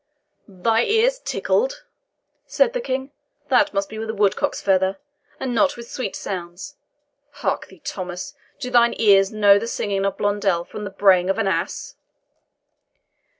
"THY ears tickled!" said the King; "that must be with a woodcock's feather, and not with sweet sounds. Hark thee, Thomas, do thine ears know the singing of Blondel from the braying of an ass?"